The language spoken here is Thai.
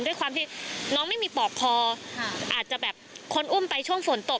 ด้วยความที่น้องไม่มีปอกคออาจจะแบบคนอุ้มไปช่วงฝนตก